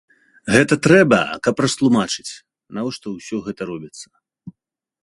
Гэта трэба, каб растлумачыць, навошта ўсё гэта робіцца.